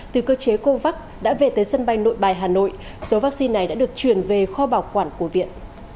từ cơ chế covax đã về tới sân bay nội bài hà nội số vaccine này đã được chuyển về kho bảo quản của viện